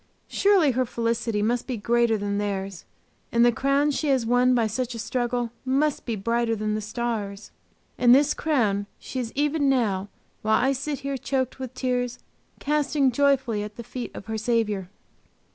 Surely her felicity must be greater than theirs, and the crown she has won by such a struggle must be brighter than the stars! And this crown she is even now, while I sit here choked with tears, casting joyfully at the feet of her Saviour!